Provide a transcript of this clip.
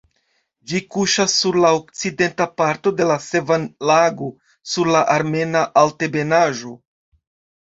Ĝi kuŝas sur la okcidenta parto de la Sevan-lago, sur la Armena Altebenaĵo.